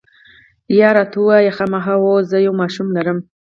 یا، راته ووایه، خامخا؟ هو، زه یو ماشوم لرم.